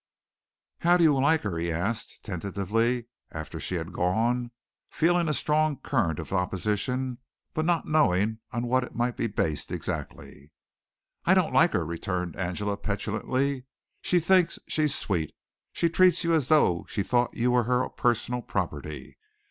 "How do you like her?" he asked tentatively after she had gone, feeling a strong current of opposition, but not knowing on what it might be based exactly. "I don't like her," returned Angela petulantly. "She thinks she's sweet. She treats you as though she thought you were her personal property.